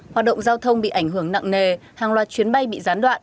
hoạt động giao thông bị ảnh hưởng nặng nề hàng loạt chuyến bay bị gián đoạn